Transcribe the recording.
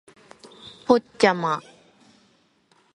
ポッチャマ